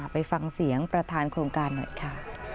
ไปฟังเสียงประธานโครงการหน่อยค่ะ